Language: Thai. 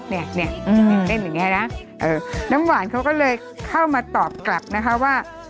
เนี่ยเต้นอย่างนี้นะน้ำหวานเขาก็เลยเข้ามาตอบกลับนะคะว่า